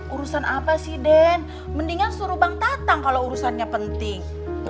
urusan apa sih den mendingan suruh bang tatang kalau urusannya penting